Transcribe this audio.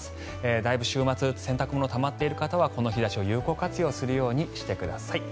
だいぶ週末洗濯物たまっている方はこの日差しを有効活用するようにしてください。